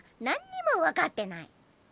何にも分かってない。